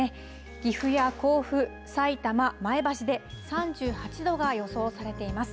岐阜や甲府、さいたま、前橋で３８度が予想されています。